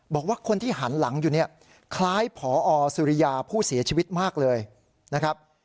บอกว่าคนที่หันหลังอยู่เนี่ยคล้ายพอสุริยาผู้เสียชีวิตมากเลยนะครับ